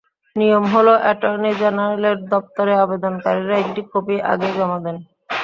নিয়ম হলো, অ্যাটর্নি জেনারেলের দপ্তরে আবেদনকারীরা একটি কপি আগেই জমা দেন।